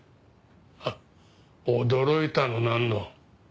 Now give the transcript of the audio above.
ハッ驚いたのなんの。